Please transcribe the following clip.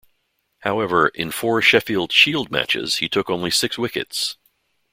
However, in four Sheffield Shield matches he took only six wickets.